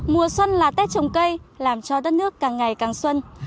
mùa xuân là tết trồng cây làm cho đất nước càng ngày càng xuân